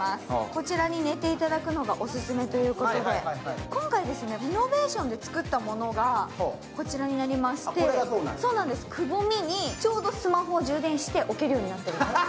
こちらに寝ていただくのがオススメということで今回、リノベーションで作ったものがこちらになりまして、くぼみにちょうどスマホを充電して置けるようになっているんですね。